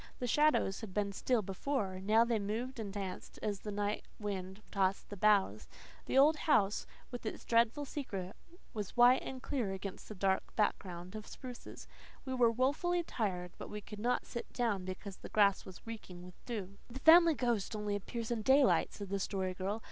The shadows had been still before; now they moved and danced, as the night wind tossed the boughs. The old house, with its dreadful secret, was white and clear against the dark background of spruces. We were woefully tired, but we could not sit down because the grass was reeking with dew. "The Family Ghost only appears in daylight," said the Story Girl.